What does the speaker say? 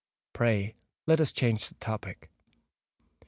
Pray let us change the topic."